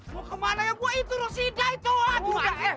lo kemana ya gue itu loh si ida itu